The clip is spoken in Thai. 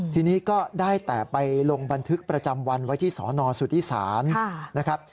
ทีนี้ก็ได้แต่ไปลงบันทึกประจำวันไว้ที่สนสุธิศาลนะครับ